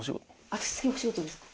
私次お仕事ですか？